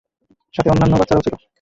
সাথে অন্যান্য বাচ্চারাও ছিল!